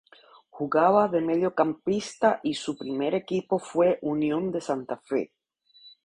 Jugaba de mediocampista y su primer equipo fue Unión de Santa Fe.